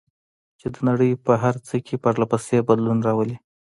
چې د نړۍ په هر څه کې پرله پسې بدلون راولي.